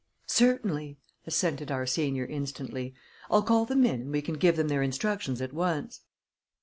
"Certainly," assented our senior instantly. "I'll call them in, and we can give them their instructions at once."